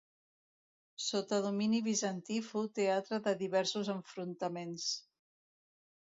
Sota domini bizantí fou teatre de diversos enfrontaments.